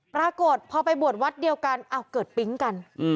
ปรากฏพอไปบวชวัดเดียวกันอ้าวเกิดปิ๊งกัน